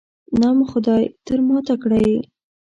نام خدای، تر ما تکړه یې.